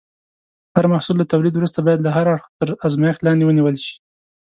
هر محصول له تولید وروسته باید له هر اړخه تر ازمېښت لاندې ونیول شي.